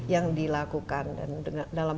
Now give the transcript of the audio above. yang dilakukan dalam